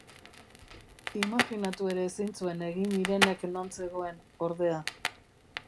Imajinatu ere ezin zuen egin Irenek non zegoen, ordea.